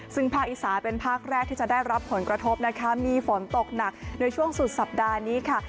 ซึ่งภาคอีสานเป็นภาคแรกที่จะได้รับผลกระทบนะคะมีฝนตกหนักในช่วงสุดสัปดาห์นี้ค่ะ